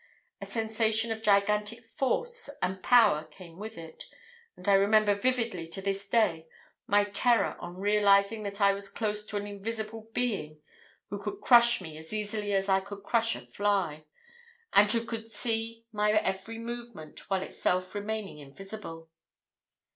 A sensation of gigantic force and power came with it, and I remember vividly to this day my terror on realising that I was close to an invisible being who could crush me as easily as I could crush a fly, and who could see my every movement while itself remaining invisible.